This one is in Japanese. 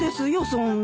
そんな。